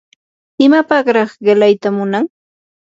¿imapaqraa qilayta munan?